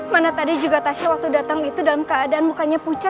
mana tadi juga tasya waktu datang gitu dalam keadaan mukanya pucat